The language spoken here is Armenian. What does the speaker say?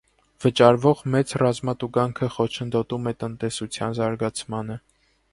Վճարվող մեծ ռազմատուգանքը խոչընդոտում է տնտեսության զարգացմանը։